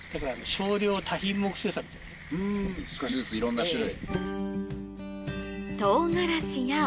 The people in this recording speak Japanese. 少しずついろんな種類。